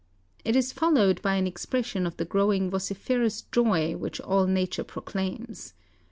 It is followed by an expression of the growing vociferous joy which all nature proclaims.